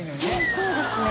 そうですね。